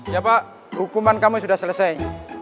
ya pak hukuman kami sudah selesai